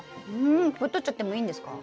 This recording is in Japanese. これとっちゃってもいいんですか？